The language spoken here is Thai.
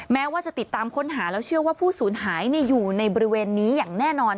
แม้ว่าจะติดตามค้นหาแล้วเชื่อว่าผู้สูญหายอยู่ในบริเวณนี้อย่างแน่นอน